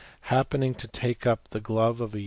Happening to take up the glove of a